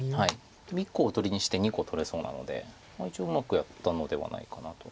でも１個おとりにして２個取れそうなので一応うまくやったのではないかなと。